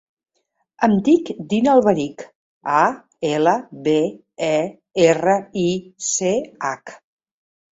Em dic Dina Alberich: a, ela, be, e, erra, i, ce, hac.